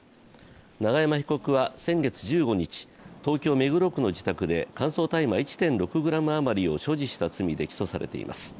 永山被告は先月１５日、東京・目黒区の自宅で乾燥大麻１．６ｇ余りを所持した罪で起訴されています。